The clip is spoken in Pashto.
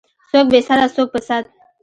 څوک بې سده څوک په سد.